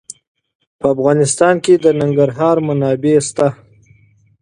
په افغانستان کې د ننګرهار منابع شته.